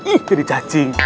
ih jadi cacing